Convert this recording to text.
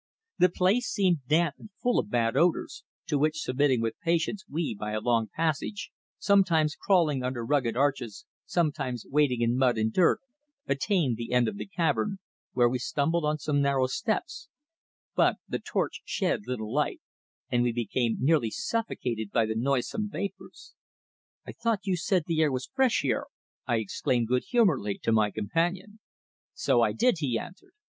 The place seemed damp and full of bad odours, to which submitting with patience we, by a long passage, sometimes crawling under rugged arches, sometimes wading in mud and dirt, attained the end of the cavern, where we stumbled on some narrow steps; but the torch shed little light, and we became nearly suffocated by the noisome vapours. "I thought you said the air was fresh here," I exclaimed good humouredly to my companion. "So I did," he answered.